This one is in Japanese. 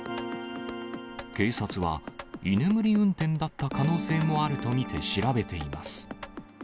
警察は居眠り運転だった可能性もあると見て調べています。